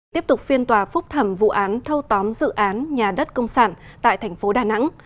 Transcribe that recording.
tiếp tục phiên tòa phúc thẩm vụ án thâu tóm dự án nhà đất công sản tại thành phố đà nẵng